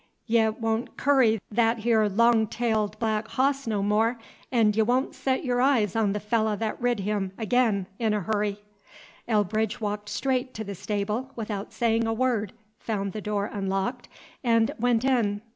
Y' won't curry that 'ere long tailed black hoss no more; 'n' y' won't set y'r eyes on the fellah that rid him, ag'in, in a hurry!" Elbridge walked straight to the stable, without saying a word, found the door unlocked, and went in.